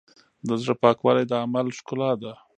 د زړۀ پاکوالی د عمل ښکلا ده.